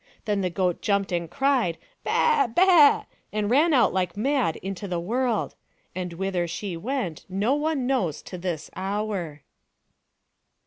Then the goat jumped and cried " Baa ! Baa !" and ran out like mad into the world; and whither she went no one knows to this hour.